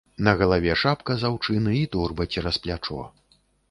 На галаве шапка з аўчыны, і торба цераз плячо.